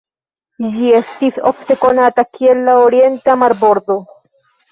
Ĝi estis ofte konata kiel la "orienta marbordo".